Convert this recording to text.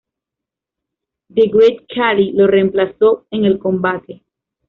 The Great Khali lo reemplazó en el combate.